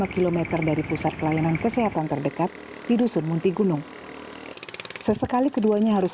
lima km dari pusat pelayanan kesehatan terdekat di dusun munti gunung sesekali keduanya harus